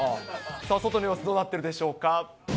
外の様子、どうなってるでしょうか。